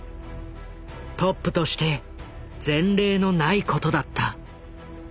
トップとして前例のないことだった。